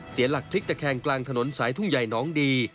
เสียหลักพลิกตะแคงกลางถนนสายทุ่งใหญ่น้องดี